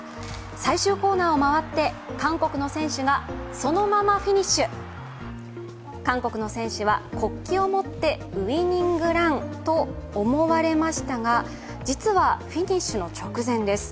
最終コーナーを回って韓国の選手がそのままフィニッシュ、韓国の選手は韓国の選手は国旗を持ってウイニングランと思われましたが実は、フィニッシュの直前です